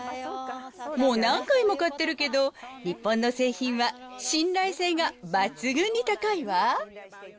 もう何回も買ってるけど、日本の製品は信頼性が抜群に高いわ。